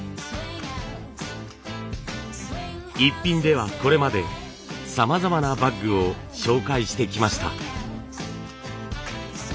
「イッピン」ではこれまでさまざまなバッグを紹介してきました。